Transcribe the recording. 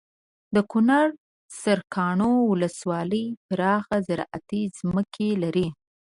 دکنړ سرکاڼو ولسوالي پراخه زراعتي ځمکې لري